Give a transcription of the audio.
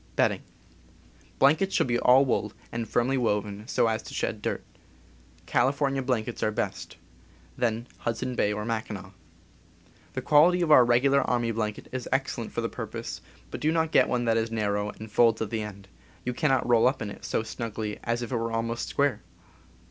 Blankets should be all wool, and firmly woven, so as to shed dirt. California blankets are best, then ... Hudson Bay or Mackinaw. The qual ity of our regular army blanket is ex cellent for the purpose, but do not get one that is nar row and folds at the end — you cannot roll up in it so snugly as if it were almost square.